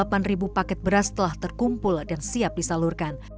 hingga saat ini lebih dari dua puluh delapan paket beras telah terkumpul dan siap disalurkan